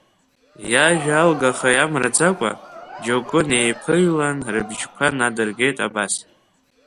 Иажәа алгаха иамраӡакәа, џьоукы неиԥыҩланы рыбжьқәа надыргеит абас…